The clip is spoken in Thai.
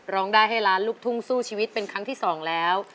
ร้องได้ให้ล้านลูกทุ่งสู้ชีวิตเป็นครั้งที่๒แล้ว